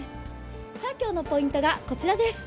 今日のポイントがこちらです。